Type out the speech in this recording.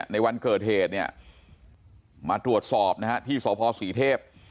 ในวันเกิดเหตุมาตรวจสอบที่สภศรีเทพ